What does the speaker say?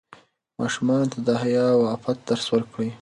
ماشومانو ته د حیا او عفت درس ورکړئ.